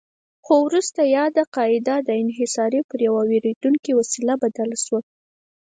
خو وروسته یاده قاعده د انحصار پر یوه ویروونکې وسیله بدله شوه.